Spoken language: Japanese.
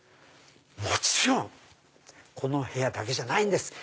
もちろんこの部屋だけじゃないんです。